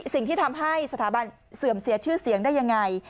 สิ่งที่ทำให้สถาบันเสื่อมเสียชื่อเสียงได้ยังไง